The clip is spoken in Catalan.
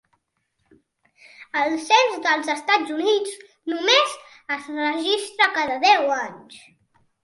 El cens dels Estats Units només es registra cada deu anys.